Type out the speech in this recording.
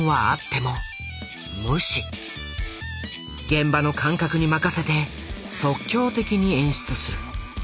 現場の感覚に任せて即興的に演出する。